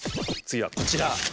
次はこちら。